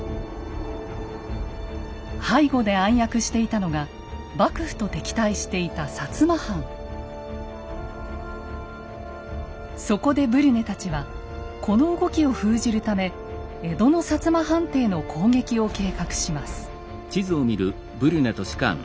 背後で暗躍していたのが幕府と敵対していたそこでブリュネたちはこの動きを封じるため江戸の摩藩邸の攻撃を計画します。